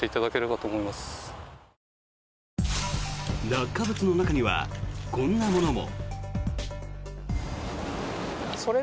落下物の中にはこんなものも。